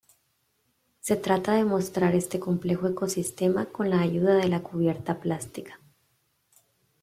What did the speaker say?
Se trata de mostrar este complejo ecosistema con la ayuda de la cubierta plástica.